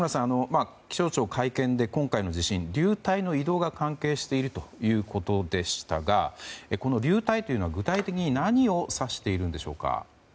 気象庁は会見で今回の地震、流体の移動が関係しているということでしたがこの流体というのは具体的に何を指しているのでしょうか。